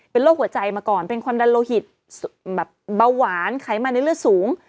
เป็นโรคหัวใจมาก่อนเป็นความดันโลหิตแบบเบาหวานไขมันในเลือดสูง